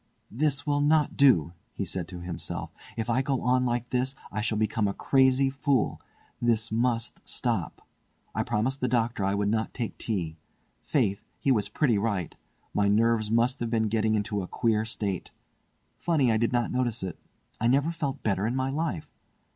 "This will not do," he said to himself. "If I go on like this I shall become a crazy fool. This must stop! I promised the doctor I would not take tea. Faith, he was pretty right! My nerves must have been getting into a queer state. Funny I did not notice it. I never felt better in my life.